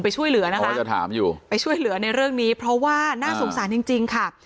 ไปช่วยเหลือนะคะไปช่วยเหลือในเรื่องนี้เพราะว่าน่าสงสารจริงค่ะ